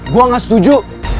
gua gak setuju